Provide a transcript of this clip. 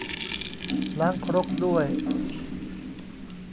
ล้างครกด้วย